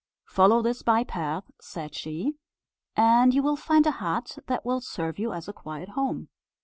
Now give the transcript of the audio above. "Follow this by path," said she, "and you will find a hut that will serve you as a quiet home.